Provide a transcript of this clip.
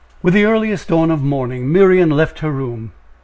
With the earliest dawn of morning, Miriam left her room.